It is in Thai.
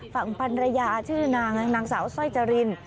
ฝั่งพันรยาชื่อนางนางสาวสร้อยจริน